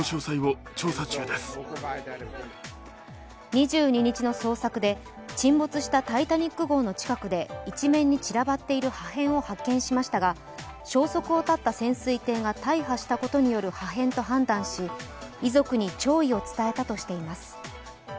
２２日の捜索で、沈没した「タイタニック」号の近くで一面に散らばっている破片を発見しましたが、消息を絶った潜水艇が大破したことによる破片と判断し、遺族に弔意を伝えたとしています。